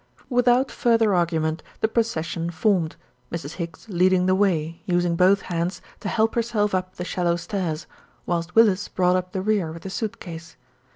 Without further argument the procession formed, Mrs. Higgs leading the way, using both hands to help herself up the shallow stairs, whilst Willis brought up the rear with the suit case.